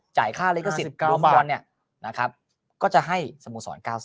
จ่ายค่าลิกสิทธิ์รวมควรเนี่ยนะครับก็จะให้สมุทร๙๐